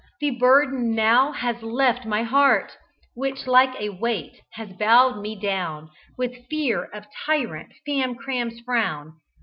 The burden now has left my heart, Which like a weight has bowed me down With fear of tyrant Famcram's frown.